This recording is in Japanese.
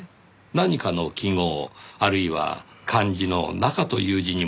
何かの記号あるいは漢字の「中」という字にも見えますが。